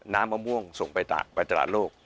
มะม่วงส่งไปตลาดโลก